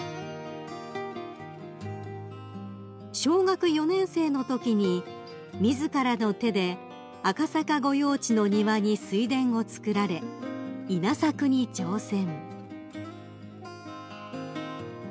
［小学４年生のときに自らの手で赤坂御用地の庭に水田をつくられ稲作に挑戦］